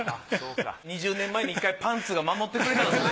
２０年前に１回パンツが守ってくれたんですね。